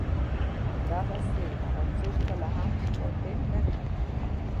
همداسې هغه څوک کله هم فاتح نه دي.